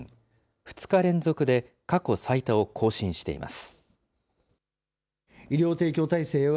２日連続で過去最多を更新しています。